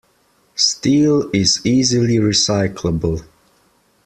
Steel is easily recyclable.